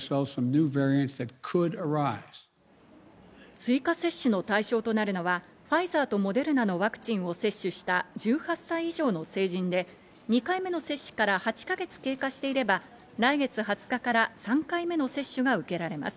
追加接種の対象となるのは、ファイザーとモデルナのワクチンを接種した１８歳以上の成人で２回目の接種から８か月経過していれば来月２０日から３回目の接種が受けられます。